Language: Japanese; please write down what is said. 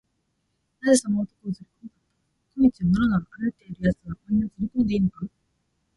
「なぜその男をつれこんだんだ？小路をのろのろ歩いているやつは、みんなつれこんでいいのか？」